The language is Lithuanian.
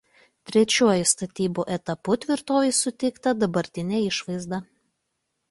Trečiuoju statybų etapu tvirtovei suteikta dabartinė išvaizda.